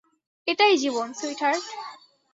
এটাই জীবন, সুইটহার্ট।